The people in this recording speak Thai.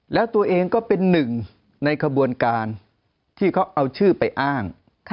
แล้วตัวเองก็เป็นหนึ่งในขบวนการที่เขาเอาชื่อไปอ้าง